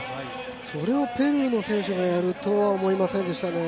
それをペルーの選手がやるとは思いませんでしたね。